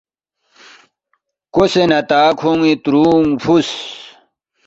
کوسے نہ تا کھون٘ی تُرُونگ فُوس